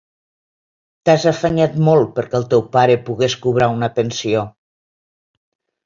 T'has afanyat molt perquè el teu pare pogués cobrar una pensió.